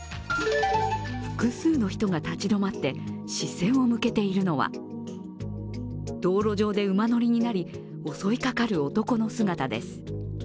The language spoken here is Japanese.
複数の人が立ち止まって視線を向けているのは、道路上で馬乗りになり、襲いかかる男の姿です。